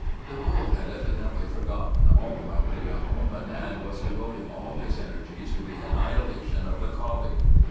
The bull had evidently forgotten all about the young woman and was devoting all his energies to the annihilation of the collie.